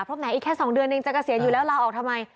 เพราะแม้อีกแค่๒เดือนเองจะเกษียณอยู่แล้วลาออกทำไม